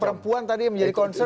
perempuan tadi yang menjadi concern